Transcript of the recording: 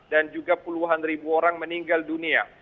dan juga puluhan ribu orang meninggal dunia